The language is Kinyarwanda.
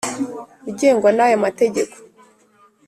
ugengwa n aya mategeko